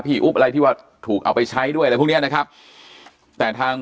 อุ๊บอะไรที่ว่าถูกเอาไปใช้ด้วยอะไรพวกเนี้ยนะครับแต่ทาง